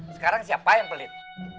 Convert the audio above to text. sekarang siapa yang pelit